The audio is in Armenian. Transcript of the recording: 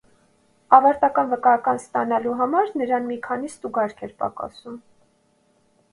Ավարտական վկայական ստանալու համար նրան մի քանի ստուգարք էր պակասում։